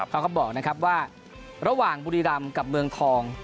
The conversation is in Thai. เขาบอกว่าหลังบุคริลำกับเมืองทอง